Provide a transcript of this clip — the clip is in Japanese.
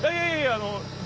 あの。